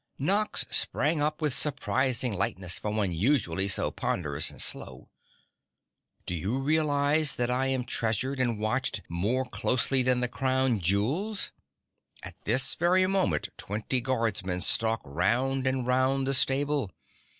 Nox sprang up with surprising lightness for one usually so ponderous and slow. "Do you realize that I am treasured and watched more closely than the crown jewels? At this very moment twenty guardsmen stalk round and round the stable.